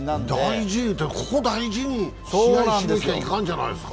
大事ってここを大事に試合しなきゃいけないんじゃないですか？